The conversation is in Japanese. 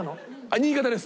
新潟です。